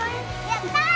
やったー！